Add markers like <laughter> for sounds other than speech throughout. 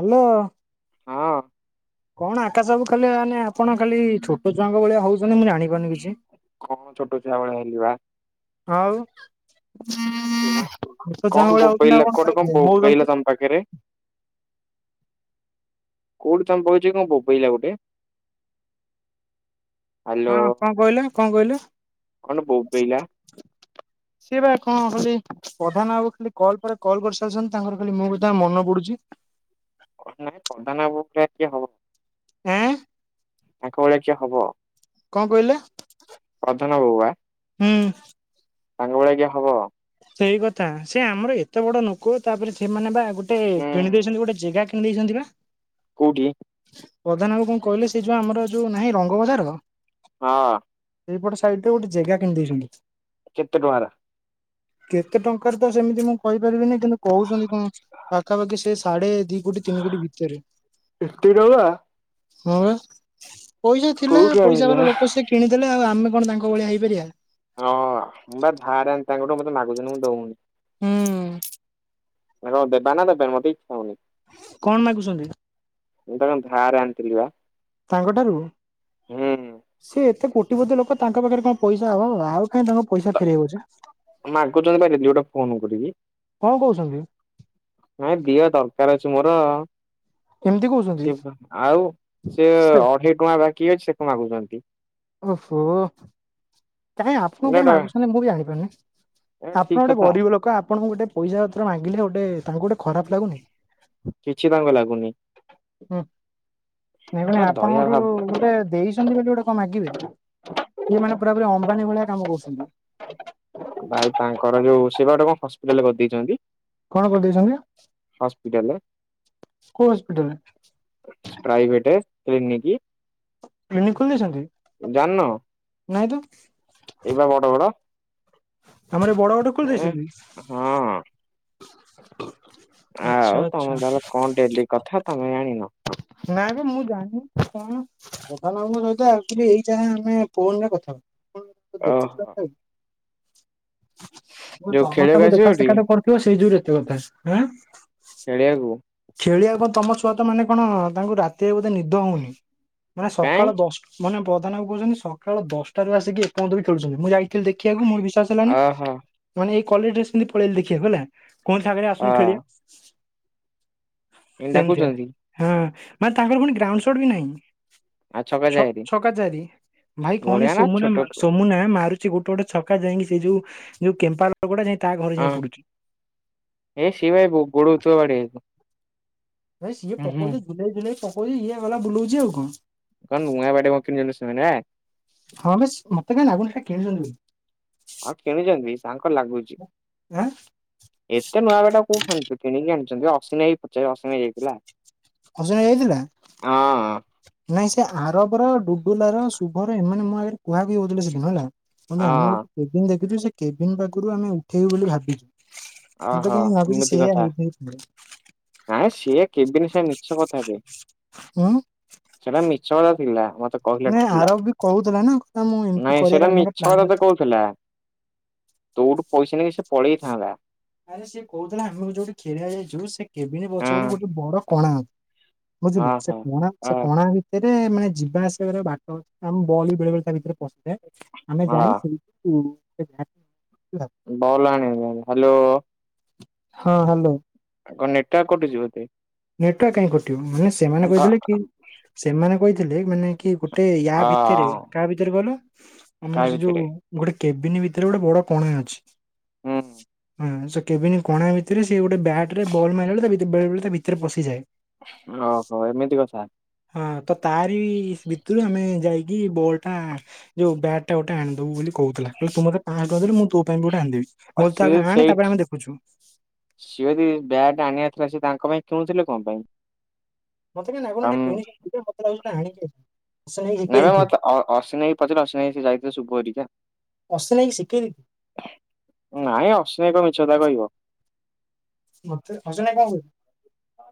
Hello. ହଁ। କଣ ଆକାଶ ବାବୁ ଖାଲି ମାନେ ଆପଣ ଖାଲି ଛୋଟ ଛୁଆଙ୍କ ଭଳିଆ ହଉଚନ୍ତି ମୁଁ ଜାଣିି ଜାଣି ପାରୁନି କିଛି। କଣ ଛୋଟ ଛୁଆ ଭଳିଆ ହେଲି ବା। ଆଉ ଛୋଟ ଛୁଆଙ୍କ କଣ ଭଳିଆ ବୋବେଇଲା ହଉଛନ୍ତି। କୁଆଡେ କଣ ଆଉ ବୋବେଇଲା ତମ କଣ ପାଖରେ ଘୁମଉଚନ୍ତି? <inaudible> କୋଉଠି ତୋମେ ବଇଚ କି କଣ ବୋବେଇଲା ଗୋଟେ? ହାଲୋ ଆପଣ କଣ କଇଲେ, କଣ କଇଲେ? କଣ ବୋବେଇଲା ସିଏ ବା କଣ କ ପ୍ରଧାନ ଆଉ ଖାଲି କଲ ପରେ କଲ୍ କରିସାରିଛନ୍ତି ତାଙ୍କର ଖାଲି ମୁଁ ତାଙ୍କ ମନ ପଡୁଛି। ପ ନାଇ ପ୍ରଧାନ ବାବୁ <unintelligible> କିଏ ହବ। ଆଁ। ତାଙ୍କ ଭଳିଆ କିଏ ହବ। କଣ କହିଲେ? ପ୍ରଧାନ ବାବୁ ବା ହୁଁ। ତାଙ୍କ ଭଳିଆ କିଏ ହବ। ସେଇ କଥା ସେ ଆମର ଏତେ ବଡ ଲୋକ ତାପରେ ସେମାନେ ବା ଗୋଟେ ଉଁ କିଣିଦେଇଛନ୍ତି ଗୋଟେ ଜାଗା ଦେଇଛନ୍ତି ବା। କଉଠି? ପ୍ରଧାନ ବାବୁ କଣ କହିଲେ ସେ ଯୋଉ ଆମର ଯୋଉ ନାହିଁ ରଙ୍ଗବଜାର ହଁ। ସେଇପଟ ସାଇଡରେ ଗୋଟେ ଜାଗା କିଣିଦେଇଛନ୍ତି। କେତେ ଟଙ୍କାର? କେତେ ଟଙ୍କାରେ ତ ସେମିତି ମୁଁ କହିପାରିବିନି କିନ୍ତୁ କହୁଛନ୍ତି କଣ ପାଖାପାଖି ସେ ସାଢେ ଦି କୋଟି ତିନି କୋଟି ଭିତରେ ଏତେ ଟଙ୍କା ହୁଁ ବା। ପଇସା କୋଉଠୁ ଥିଲାଉ ଆଣିଲ? ପଇସା ବାଲା ଲୋକ ସେ କିଣିଦେଲେ ଆଉ ଆମେ କଣ ତାଙ୍କ ଭଳିଆ ହେଇପାରିବା। ହଁ ବା ଧାରନ୍ତି ତାଙ୍କଠୁ ମତେ ମାଗୁଛନ୍ତି ମୁଁ ଦଉନି। ହୁଁ। ଦେ ବାନ ଦେବେ ମୋତେ କଣ ମାଗୁଛନ୍ତି? ମୁଁ ତାଙ୍କ ଧାରେ ଆଣିଥିଲି ବା ତାଙ୍କ ଠାରୁ? ହୁଁ। ସେ ଏତେ କୋଟି ପତି ଲୋକ ତାଙ୍କ ପାଖରେ କଣ ପଇସା ହବ ଆଉ କାହିଁ ତାଙ୍କ ପଇସା ଫେରେଇବ ଯେ। ମାଗୁଛନ୍ତି ବା ଡେଲି ଗୋଟେ ଫୋନ କରିକି କଣ କହୁଛନ୍ତି? ଦକାର ଅଛି ମୋର ଏମିତି କହୁଛନ୍ତି ସେ ଆଉ ସେ ଅଢେଇ ଟଙ୍କା ବାକି ଅଛି ସେ କଣ ମାଗୁଛନ୍ତି। ଓହୋ। କାଇହିଁ ଆପଣ କେମିତି ଏଟା ମାଗୁଛନ୍ତି ମୁ ବି ଜଣିପାରୁନି? ଏଟା ଆପଣ ଠିକ ଗୋଟେ କଥା। ଗରିବ ଲୋକ। ଆପଣଙ୍କୁ ଗୋଟେ ପଇସା ପତ୍ର ମାଗିଲେ ଗୋଟେ ତାଙ୍କୁ ଗୋଟେ ଖରାପ ଲାଗୁନି। କିଛି ତାଙ୍କୁ ଲାଗୁନି। ନାଇ ମାନେ ନା ଦୟା ଆପଣଙ୍କର ଭାବ ଗୋଟେ ଦେଇ ବୋଲି ଗୋଟେ କଣ ମାଗିବେ, ସେଏ ମାନେ ପୁରା ପ ଅମ୍ବାନୀ ଭଳିଆ କାମ କରୁଛନ୍ତି। ଭାଇ ତାଙ୍କର ଯୋଉ ସେବାଟା କଣ ହସ୍ପିଟାଲରେ କରିଦେଇଛନ୍ତି। କଣ କରିଦେଇଛନ୍ତି? ହସ୍ପିଟାଲ କଉ ହସ୍ପିଟଲରେ? ହେଇନିକି? କ୍ଲିନିକ ଖୋଲି ଦେଇେଇଛନ୍ତି? ଜାଣିନ। ନାଇଁ ତ। ଏଇବା ବଡ ବଡ ଆମର ଏ ବଡ ଗଟେ ଖୋଲି ଏ ଦେଇେଇଛନ୍ତି? ହଁ ଆଉ ତମେ ତାହଲେ କଣ ଡେଲି କଥା ତମେ ଜାଣିନ। ନାଁ ମୁଁ ଜାଣିନି କଣ? <unintelligible> ଏଇ ଯାଁ ଆମେ ଫୋନରେ କଥା ହଁ ତ ଦେଖୁଛୁ ଓହୋ। ଯୋଉ ତମ ଖେଳିବାକୁ ସବୁ ଆସିବଟି ଦେଖାସେଖା ତ ପଡିଥିବ ସେଇ ଯୋଉରେଥିବଥାେଁ ଆ। ଚଳିଆଗୁ ଆ ତମ ଛୁଆ ତ ମାନେ କଣ ତାଙ୍କୁ ରାତିରେ ବୋଧେ ନିଦ ହଉନି ମାନେ କାଇଁ ସକାଳ ଦଶଟା ମାନେ ପ୍ରଧାନବାବୁ କହୁଚନ୍ତି ସକାଳ ଦଶଟାରୁ ଆସିକି ଏପର୍ଯ୍ୟନ୍ତ ବି ଖେଳୁଛନ୍ତି ମୁଁ ଯାଇଥିଲି ଦେଖକୁ ମୋର ବିଶ୍ୱାସ ହେଲାନି ଓହୋ ମାନେ ଏଇ କଲେଜ ଡ୍ରେସପିନ୍ଧି ପଳେଇଲି ଦେଖିବାକୁ ହେଲା। କଣ ସାଙ୍ଗରେ ଆସୁନୁ ହଁ ଖେଳିିବା। ଏମିତି ଏମତିଆ ଡାକୁଛନ୍ତି ହଁ ମାନେ ତାଙ୍କର ପୁଣି ଗ୍ରାଉଣ୍ଡ ସଟ୍ ବି ନାହିଁ। ଆଉ ଛକ ଛ ଯାଏରେ ଛକା ଚାରି ଭାଇ କଣ ବଢିଆ ନା ସୋନା ଛୋଟ ସୋମୁନା ମାରୁଚି ଗୋଟେ ଗୋଟେ ଗୋଟେ ଛକା ଯାଇଁକି ସେ ଯୋଉ ଯୋଉ କେମ୍ପାଲ ହଁ ଏ ସିଏ ବା ଗୋ ଗୋଡଉ ଥିବ ବାଡେଇ ବାକୁ। ଭାଇ ସିଏ ପକଉଚି ଝୁଲାଇ ଝୁଲାଇ ପକଉଚି ଇଏ ଗଲା ବୁଲଉଚି ଆଉ କଣ। କଣ ନୁଆ ବାଟ <unintelligible> ହଁ ବେଶ। ମୋତେ କାଇଁ ଲାଗୁନି ସେଇଟା କିଣିଛନ୍ତି ବୋଲି। ଆଉ କିଣୁଛନ୍ତି ସାଙ୍କ ଲାଗୁଛି। ଆଁ ଏତେ ନୂଆ ବଟା କୋଉଠି କିଣିକି ଆଣିଛନ୍ତି ଅସିନି ଭାଇକୁ ପଚାରିବ ଅସିନି ଭାଇ ଯାଇଥିଲା। ଅସନି ଭାଇ ଯାଇଥିଲା। ହଁ ନାଇଁ ସେ ଆରବର ଡୁଡୁନାର ଶୁଭର ଏମାନେ ମୋ କୁହାକୁହି ହଉଥିଲେ ସେଦିନ ହେଲା। ଆମେ ହଁ ଗୋଟେ ଫିଲ୍ମ ଦେଖିଛୁ କେବିନ୍ ପାଖରୁ ଆମେ ଉଠେଇବୁ ବୋଲି ଭାବିଛୁ। ମୁଁ ତ ଓହୋ କାହିଁ ଭାବୁଛି ଏମିତି ସେଇଆ କଥା। ହେଇଥାଇପାରେ ନାଇଁ ସିଏ କେବିନି ସେ <unintelligible> ଉଁ ସେଟା ମିଛ <unintelligible> କହିଲା ନାଇଁ କହିଲା ଆରବ ବି କହୁଥିଲା ନା କହିଲା ମୁଁ ଏମିତି ନାଇଁ କରିବାର ସେଇଟା ଆମର ମିଛ ପ୍ଲାନ୍ କଥାଟା ଅଛି। କହୁଥିଲା। ତୋଉଠୁ ପଇସା ନେଇକି ସେ ପଳେଇଥାନ୍ତା। ଆରେ ସିଏ କହୁଥିଲା ଆମେ ଯୋଉଠି ଖେଳିବାକୁ ଯାଇଛୁ। ସେ କେବିନି ପଛ ହଁ ପଟେ ଗୋଟେ ବଡ କଣା। ବୁଝିଲୁ ହଁ ସେ ହଁ କଣା ସେ ହଁ କଣା ଭିତରେ- ମାନେ ଯିବା ଆସିବାର ବାଟ ଅଛି ଆମ ବଲ ବେଳେ ବେଳେ ତା ଭିତରେ- <unintelligible> ଆମେ ହଁ ଯାଇଛୁ କିନ୍ତୁ <unintelligible> <unintelligible> ହ୍ୟାଲୋ ହଁ ହ୍ୟାଲୋ। କଣ ନେଟୱର୍କ କଟୁଛି ବୋଧେ। ନେଟୱର୍କ କାହିଁ କଟିବ ମାନେ ସେମାନେ ଧ କହିଥିଲେ କି ସେମାନେ କହିଥିଲେ ମାନେ- କି ଗୋଟେ ୟା ଭିତରେ ଅ କାହା ଭିତରେ କହିଲ। କାହା ଆମର ସେ ଭିତରେ ଯୋଉ ଗୋଟେ- କେବିନ ଭିତରେ ଗୋଟେ ବଡ କଣା ଅଛି। ହୁଁ। ହଁ ସେ କେବିନି କଣା ଭିତରେ ସେ ଗୋଟେ ବ୍ୟାଟରେ ବଲ ମାରିଲା ବେଳେ ତା ଭିତରେ ବେଳେ ବେଳେ ତା ଭିତରେ ପଶିଯାଏ। ଓହୋ ଏମିତି କଥା। ହଁ ତ ତାରି ଭିତରୁ ଆମେ ଯାଇକି ବଲ୍ ଟା ଯୋଉ ବ୍ୟାଟ୍ ଟା ଗୋଟେ ଆଣିଦବୁ ବୋଲି କ କହୁଥିଲା ତୁ ମୋତେ ପାଞ୍ଚ ଟଙ୍କା ଦେଲେ ମୁଁ ତୋ ପାଇଁ ବି ଗୋଟେ ଆଣିଦେଵି ଆଉ ମୁଁ କହିଲି ତୁ ସିଏ ଆଗ ଆଣେ ସେଇ ତାପ ଆମେ ଦେଖୁଚୁ। ସିଏ ଯଦି ବ୍ୟାଟ ଆଣିବା ଥିଲା ସେଏ ତାଙ୍କ ପାଇଁ କିଣୁଥିଲେ କଣ ପାଇଁ। ମତୋ କାଇଁ ନାଗୁନି ଏଟା ଆମ୍ କିଣିଚନ୍ତି ମତେ ଲାଗୁଚି ଏଟା ଆଣିଚନ୍ତି। ନାଇଁ ମ ମତେ ଅ ଅଶ୍ୱିନୀ ଭାଇ ପଚାରେ ଅଶ୍ଵିନୀ ଭାଇ ଯାଇଥିଲେ ସୁପର ଟୀକା ଅସନାଇ ଶିଖେଇ ଦେଇଥିବେ ନାଇଁ ଅଶ୍ୱିନୀ ଭାଇ କଣ ମିଛ କଥା କହିବ। ମତେ ଅଶ୍ୱିନୀ ଭାଇ କଣ କହିଚି?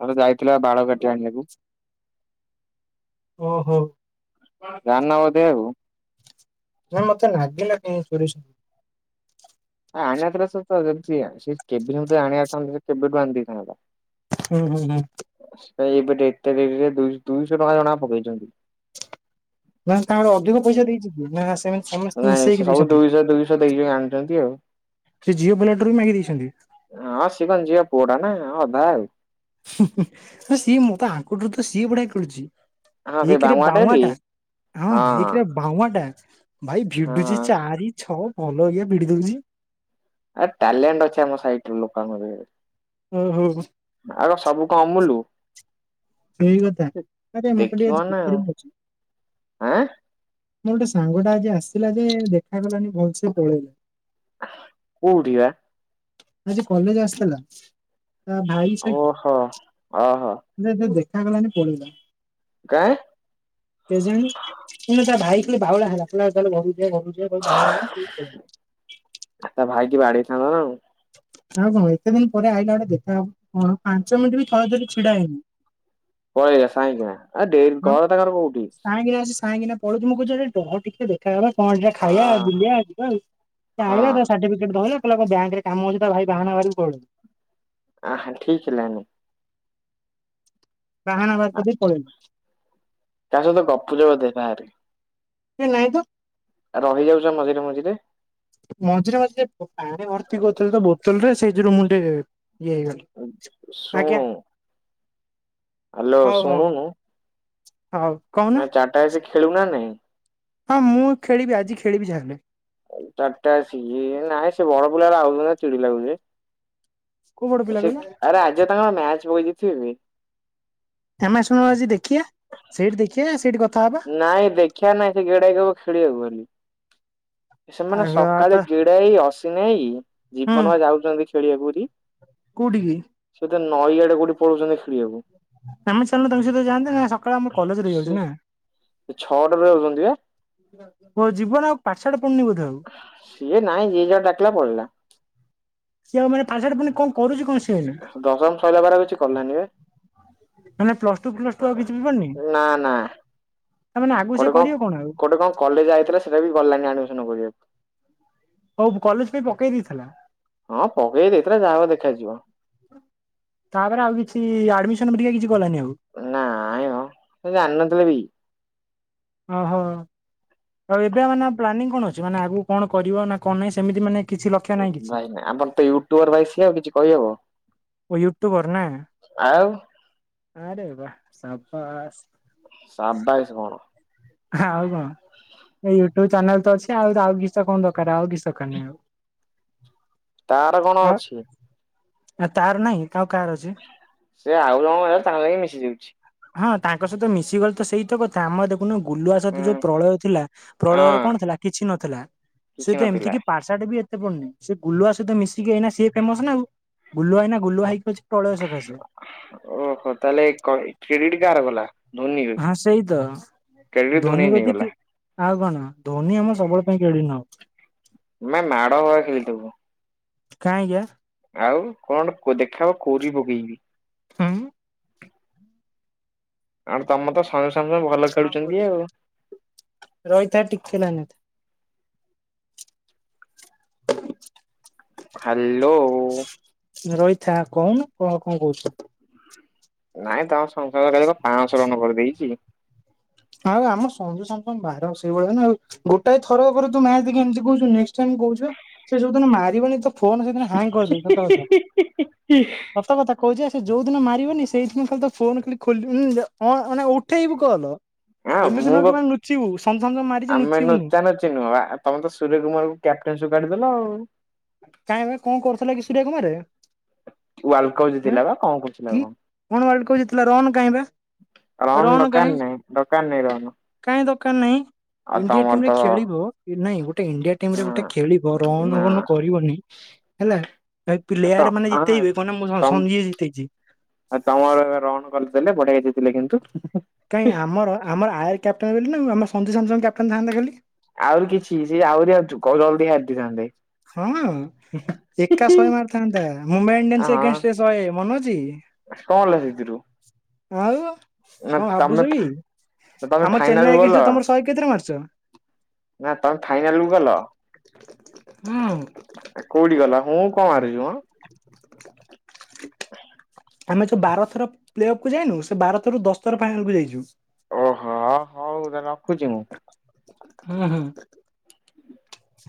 ଥରେ ଯାଇଥିଲା ବାଳକାଟି ଆଣିବାକୁ ଓହୋ। ଧାନ ଗାଦେଇନକୁ। ହଁ ସୁରିଶ। ଆଣିବାର ଥିଲା <unintelligible> କେବେଠୁ ଆଣିଦେଇଥାନ୍ତା। ହୁଁ ହୁଁ ହୁଁ। ଭାଇ ଏବେ ଡେଟ ଟେ ଦେଇଥିଲେ ଦୁ ଦୁଇଶହ ଟଙ୍କା ଜଣା କା ପକେଇଚନ୍ତି। ନା ତାଙ୍କର ଅଧିକ ପଇସା ଦେଇଛି କି ନା ସେମିତି ସମସ୍ତେ ନାଇଁ ସେ ମିଶେଇକି ସବୁ ଦେଇଛନ୍ତି। ଦୁଇଶହ ଦୁଇଶହ ଦେଇକ ଆଣୁଚନ୍ତି ଆଉ। ସେ ଝିଅ ପିଲାଠାରୁ ବି ମାଗି ଦେଇଛନ୍ତି। ହଁ ସିଏ ତାଙ୍କ ଝିଅ ପୁଅ ଟା ନା ଅଧା ଆଉ। ସିଏ ମତ ଆଙ୍କଠୁ ତ ସିଏ ବଢ଼ିଆ ଖେଳୁଚି। ହଁ ସେଇ ଏକରେ ବାଉଁଆଟା ବାଉଁଆ ଟି ଟା ହଁ ଏକଇରେ ବାଉଁଆ ଟା ଭାଇ ଭିଡୁଛି ହଁ ଚାରି ଛଅ ଭଲ ଇଆ ଭିଡି ଦଉଛି। ଆ ଟଲଲୋଣ୍ଡ ଅଛି ଆମ ସାଇଟ୍ ଲୋକ ଆଉ ଓହୋ କଣ ସବୁ କଣ ଅମୁଲୁ? ସେଇ କଥା ମତେ ଟିକେ ଆଜି ଦେଖିବ ନା ଦଃଖରେ ଅଛି। ଆଁ ମୋର ଗୋଟେ ସାଙ୍ଗ ଟା ଆଜି ଆସିଲା ଯେ ଦେଖା କଲାଣି ଭଲସେ ପଳେଇଲେ। କୋଉଠି ବା? ଆଜି କଲେଜ ଆସିଥିଲା। ତା ଭାଇ ଓହୋ। ଓହୋ ସହିତ ଦେଖାଗଲାନି ପଳେଇିଲଲା କାଇଁ? କେଜାଣି <unintelligible> ତା ଭାଇ ଖାଲି ବାଉଳା ହେଲା କହିଲା ଚାଲ ଘରକୁ ଯିବା। ସେ ଘରକୁ ଯିବାକୁ ବାଉଳା ହେଲା। କି ବାଡେଇଥାନ୍ତ ନାଁଉ। ଆଉ କଣ ଏତେ ଦିନ ପରେ ଆଇଲା ଗଟେ ଦେଖ ପାଞ୍ଚ ମିନିଟ ବି ଥରଥରେ ଛିଡା ହେଇନି। ପଳେଇଲା ସାଇଁକିନା ଡେରି ଘର ତାଙ୍କର କୋଉଠି? କାଁକିନା ପଳଉଛି ମୁଁ କହୁଛି ରହ ଟିକେ ଦେଖା କଣ ଦିଟା ଅ ଖାଇବା ବୁଲିବା ଯିବା ସେ ହଁ ଆଇଲା ତା ସାର୍ଟିଫିକେଟ ଧଇଲା କହିଲା ବଙ୍କ କାମ ଅଛି ତା ଭାଇ ବାହାନା ବାହାରିକ ପଳ ଆ ହ ଠିକ୍ ହେଲାନି। ବାହାନା ବାହାର କରିଦେଇକି ପଳଇଛି। ତା ସହିତ ଗପୁଚ ବୋଧେ ବାହାରେ। କାଇଁ ନାଇଁ ତ। ରହିଯାଉଛ ମଝିରେ-ମଝିରେ। ମଝିରେ-ମଝିରେ ପାଣି ଭର୍ତ୍ତି କରୁଥିଲି ତ ବୋତଲରେ ସେଇଥିରୁ ମୁଁ ଟିକେ ଇଏ ହେଇଗଲି। ଆଜ୍ଞା ଶୁଣୁ ହ୍ୟାଲୋ ହଉ ହଉ ଶୁଣୁନୁ। ହଉ କହୁନ। ଖେଳିବୁ ନା-ନାଇଁ। ହଁ ମୁଁ ଖେଳିବି ଆଜି ଖେଳିବି ଯାହେଲେ। ଚାରିଟା ଆସିକି ନାଇଁ ସେ ବଡ ପିଲା ଆଉଛନି ନା ଚିଡି ଲାଗୁଛି। କୋଉ ବଡ ପିଲା ସେ କହିଲ? ଆରେ ଆଜି ତାଙ୍କର ମ୍ୟାଚ ପକେଇଥିବ ବି ଆମେ ଆସୁନୁ ଆଜି ଦେଖିବା ସେଇଠି ଦେଖିଆ ସେଇଠି ଗ ନାଇଁ ଦେଖିବା ନାଇଁ ସେ ଡାକିବ ଖେଳିବାକୁ ବୋଲି। ଆ ସେମାନେ ତ ସକାଳେ ଗିଡା ଭାଇ, ଅଶ୍ୱିନ ଭାଇ, ଜୀବନ ଭାଇ ଯାଉଛନ୍ତି ଖେଳିବାକୁ ସେଟି। କୋଉଟିକି? ନଈଆଡେ କୋଉଠି ପଳଉଛନ୍ତି ଖେଳିବାକୁ। ଆମେ ଚାଲ ତାଙ୍କ ସହିତ ଯାନ୍ତେ ନା ସକାଳେ ଆମ କଲେଜ ସେ ରହିଯାଉଛି ନା। ଛଅଟାରେ ଯାଉଛନ୍ତି ବା। ଜୀବନ ଆଉ ପାଠସାଠ ପଢୁନି ବୋଧେ ଆଉ। ସିଏ ନାଇଁ ଯିଏ ଯା ଡାକିଲା ପଳେଇଲା। ସେ ଆଉ ମାନେ ପାଠସାଠ ପଢୁନି କଣ କରୁଛି କଣ ସିଏ ଏଇନା ଦଶମ ସଇଲା ପରେ ଆଉ କିଛି କଲାନି ବା। ମାନେ ପ୍ଲସ ଟୁ ପ୍ଲସ ଟୁ ଆଉ କିଛି ବି ପଢୁନି ନା-ନା। ତା ମାନେ ଆଗକୁ ସେ କୋଟେ କଣ କରିବ ଆଉ କୋଟେ କଣ କଲେଜ ଯଇଥିଲା ସେଇଟା ବି ଗଲାନି ଆଡମିସନ କରିବାକୁ। ହଉ କଲେଜ ପାଇଁ ପକେଇ ଦେଇଥିଲା। ହଁ ପକେଇ ଦେଇଥିଲା ଯାହା ହବ ଦେଖାଯିବ। ତାପରେ ଆଉ କିଛି ଆଡମିସନ କିଛି କଲାନି ଆଉ ନା ଆୟ ଜାଣିନଥିଲି ବି। ଓ ହୋ। ଆଉ ଏବେ ମାନେ ପ୍ଲାନିଂ କଣ ଅଛି ମାନେ ଆଗକୁ କଣ କରିବ ନା କଣ ନାହିଁ ସେମିତି ମାନେ କିଛି ଲକ୍ଷ୍ୟ ନାହିଁ କିଛି ଭାଇ ନାଇ ଆମର ତ ୟୁଟୁବର ଭାଇ ସିଏ ଆଉ କିଛି କହିହବ। ଓ ୟୁଟୁବର୍ ନାଁ? ଆଉ ଆରେ ବା ସାବାସ। ସାବାଇଶ କଣ ଆଉ କଣ୍? ଏ ୟୁଟ୍ୟୁବ ଚ୍ୟାନେଲ ତ ଅଛି ଆଉ, ଆଉ କିଛିଟା କଣ ଦରକାର ଆଉ କିଛି ଦରକାର ନାହିଁ ଆଉ। ତାର କଣ ଅଛି? ଆ ତାର ନାହିଁ, ଆଉ କାହାର ଅଛି? ସେ ଆଉ ଜଣଙ୍କ ସହ ତାଙ୍କ ଯାଇକି ମିଶି ଯାଉଛି। ହଁ ତାଙ୍କ ସହିତ ମିଶିଗଲେ ତ ସେଇତ କଥା, ଆମ ଗୁଲୁଆ ସହିତ ହୁଁ ଯୋଉ ପ୍ରଳୟ ଥିଲା ପ୍ରଳୟରେ ହଁ କଣ ଥିଲା କିଛି ନଥିଲା। ସେ କିଛି ତ ନଥିଲା ଏମତିକିି ପାଠଶାଠ ବି ଏତେ ପଢେନି ସେ ଗୁଲୁଆ ସହିତ ମିଶିକି ଏଇନା ସିଏ ଫେମସ ନା ଆଉ, ଗୁଲୁଆ ଏଇନା ଗୁଲୁଆ ହେଇକି ଅଛି। ପ୍ରଳୟ ସକାଶେ ଓହୋ ତାହଲେ କ-କ୍ରେଡିଟ କାର ଗଲା? ଧୋନି ହଁ ସେଇତ। କ୍ରେଡିଟ ଧୋନି କଦି ନେଇଗଲା କ୍ର୍ ଆଉ କଣ ଧୋନି ଆମ ସବୁବେଳ ପାଇଁ କ୍ରେଡିଟ ନବ। ତମେ ମାଡ <unintelligible> କାଇଁକି ବା? ଆଉ କଣ ଦେଖା ହେବ କୋରୀ ପକେଇବି। ହଁ! ଆଉ ତମ ତ ଶହେ ହଁ ରହିଥା ଟିକେ ଲାଇନରେ ଥା। ହ୍ୟାଲୋ। ରହିଥା କହୁନୁ, କହ କଣ କହୁଛ? ନାଇଁ ତମ ସଂସାରକାର ପାଁଶହ ରନ୍ କରିଦେଇଛି। ଆଉ ଆମ ସଞ୍ଜୁ ସମସନ ବାହାର ସେଇଭଳିଆ ନା ଆଉ, ଗୋଟା ଥରକରେ ତୁ ମ୍ୟାଚ ଦେଖିକି ଏମିତି କହୁଚୁ ନେକ୍ସଟ ଟାଇମ୍ କହୁଛ ସେ ଯୋଦିନ ମାରିବନି ତ ଫୋନ ସେଦିନ ହ୍ୟାଙ୍ଗ କରିଦେବି ସତ କଥା ସତ କଥା କହୁଛି ଆ ସେ ଯୋଉ ଦିନ ମାରିବନି ସେଇଦିନ ଖାଲି ତୋ ଫୋନ ଖାଲି ଖୋଲି ମାନେ ହଁ ଅନା ଉଠେଇବୁ କଲ ହଁ ଏମିତି ମୁଁ ନୁହଁ ବା କି ମାନେ ଲୁଚିବୁ ସ ଆମେ ନୁଚା ନୁଚି ନୁହଁ ବା ତମେ ତ ସୂର୍ୟ କୁମାର କୁ କ୍ୟାପ୍ଟେନସି ରୁ କାଢିଦେଲ ଆଉ। କାଇଁ କଣ କରୁଥିଲା କି ସୁର୍ୟ କୁମାର? ୱାର୍ଲଡ କପ୍ ହାଁ ଜିତିଲା ବା କଣ କହୁଥିଲ କି କଣ? କଣ ୱାର୍ଲଡ କପ ଜିତିଲା ରନ୍ କାହିଁବା? ରନ ଦରକାର ନାହିଁ ଦରକାର ନହିଁ ରନ। କାର ନାହିଁ, ଇଣ୍ଡିଆ ଟିମରେ ଖେଳିବ କି ନାଇଁ ଗୋଟେ ଇଣ୍ଡିଆ ଟିମ ରେ ଗୋଟେ ହଁ ଖେଳିବ ରନ ନା ହେଲା। ତ-ତ ପ୍ଲେୟାର ମାନେ ଆଁ ଜିତେଇବେ କଣ ନା ମୁଁ ସ- ସଞ୍ଜୁ ଜିତେଇଛି ତମ-ତମର ଏବେ ରନ କରିଦେଲେ? ବଢେଇ ଦେଇଥିଲେ କିନ୍ତୁ। କାହିଁ ଆମର ଆମର ଆୟର କ୍ୟାପଟନ ବୋଲି ନା ଆମ ସଞ୍ଜୁ ସାମସନ୍ କ୍ୟାପ୍ଟନ ଥାନ୍ତା ଖାଲି। ଆହୁରି କିଛି ସିଏ ଆହୁରି ଅଛି, ଜଲଦି <unintelligible> ହଁ ଏକା ଶହେ ମାରିଥାନ୍ତା, ମୁମ୍ବାଇ ଇଣ୍ଡିଆନ୍ସ ହଁ ଏଗନେଷ୍ଟରେ ଶହେ ମନେ ଅଛି? କଣ ହେଲା ସେଥିରୁ? ଆଉ? ନା କଣ ତମେ ଭାବୁଛ କି ତମେ ଆମ ଫାଇନାଲ କୁ ଚେନ୍ନାଇ ଗଲ ଏଗନେଷ୍ଟରେ ତମର ଶହେ କେତେଟା ମାରିଚ? ନା ତମେ ଫାଇନାଲକୁୁ ଗଲ? ହୁଁ। କୋଉଠି ଗଲ, ହୁଁ କଣ ମାରୁଛୁ ମ? ଆମେ ଯୋଉ ବାର ଥର ପ୍ଲେ ଅଫ୍କୁ କୁ ଯାଇନୁ, ସେ ବାର ଥରୁ ଦଶଥର ଫାଇନାଲ କୁ ଯାଇଛୁ। ଓହୋ ହଉ, ତାହାଲେ ରଖୁଛି ମୁଁ? ହୁଁ ହୁଁ। ହୁ